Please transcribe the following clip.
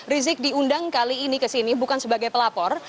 rizik diundang kali ini ke sini bukan sebagai pelapor